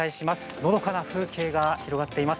のどかな風景が広がっています。